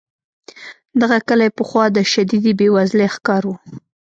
دغه کلی پخوا د شدیدې بې وزلۍ ښکار و.